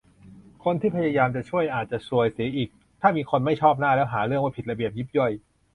คนที่พยายามจะช่วยอาจจะซวยเสียอีก ถ้ามีคนไม่ชอบหน้าแล้วหาเรื่องว่าผิดระเบียบยิบย่อย